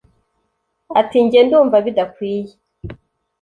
Ati “Jye ndumva bidakwiye